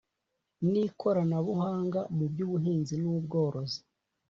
N Ikoranabuhanga Mu By Ubuhinzi N Ubworozi